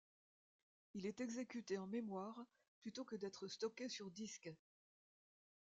Il est exécuté en mémoire plutôt que d’être stocké sur disque.